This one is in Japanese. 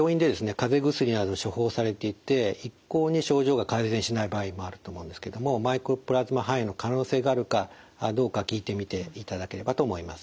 かぜ薬など処方されていて一向に症状が改善しない場合もあると思うんですけどもマイコプラズマ肺炎の可能性があるかどうか聞いてみていただければと思います。